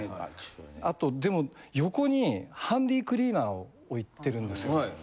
あとでも横にハンディクリーナーを置いてるんですよ。